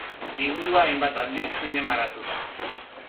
Liburua hainbat aldiz zinemaratu da.